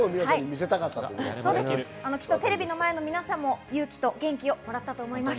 きっとテレビの前の皆さんも勇気と元気をもらったと思います。